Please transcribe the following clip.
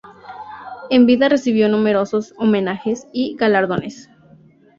En vida recibió numerosos homenajes y galardones.